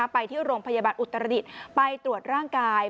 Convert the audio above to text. ไปที่โรงพยาบาลอุตรดิษฐ์ไปตรวจร่างกาย